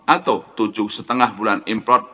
atau tujuh lima bulan import